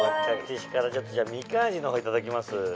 みかん味の方いただきます。